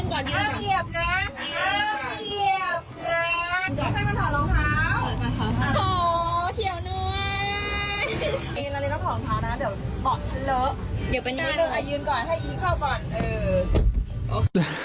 ห่าเออ